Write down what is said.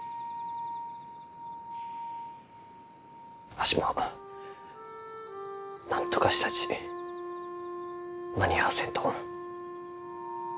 わしもなんとかしたち間に合わせんと。